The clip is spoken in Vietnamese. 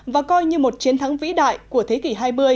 và coi như một chiến thắng vĩ đại của thế kỷ hai mươi